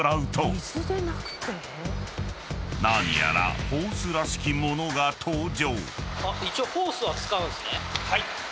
［何やらホースらしき物が登場］